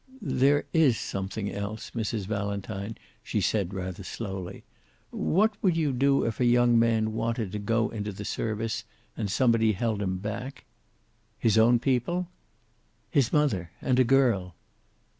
"There is something else, Mrs. Valentine," she said, rather slowly. "What would you do if a young man wanted to go into the service, and somebody held him back?" "His own people?" "His mother. And a girl."